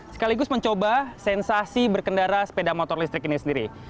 sekaligus mencoba sensasi berkendara sepeda motor listrik ini sendiri